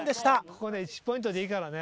ここね１ポイントでいいからね。